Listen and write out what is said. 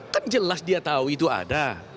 kan jelas dia tahu itu ada